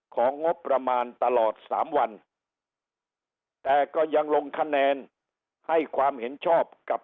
ของงบประมาณตลอดสามวันแต่ก็ยังลงคะแนนให้ความเห็นชอบกับ